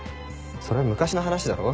それは昔の話だろ。